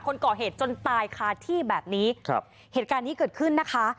คนก่อเหตุจนตายคาที่แบบนี้ครับเหตุการณ์นี้เกิดขึ้นนะคะ